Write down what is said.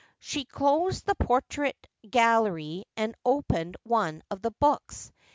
She closed the portrait gallery and opene I one of the books.